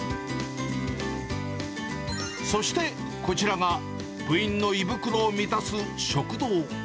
そしてこちらが、部員の胃袋を満たす食堂。